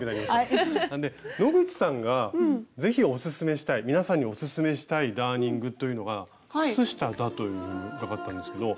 野口さんがぜひおすすめしたい皆さんにおすすめしたいダーニングというのが靴下だと伺ったんですけど。